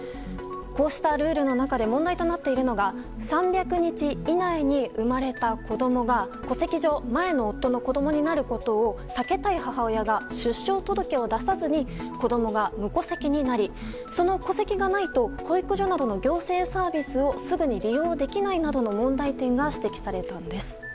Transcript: こうしたルールの中で問題となっているのが３００日以内に生まれた子供が戸籍上前の夫の子供になることを避けたい母親が出生届を出さずに子供が無戸籍になりその戸籍がないと保育所などの行政サービスなどをすぐに利用できないなどの問題が指摘されていたんです。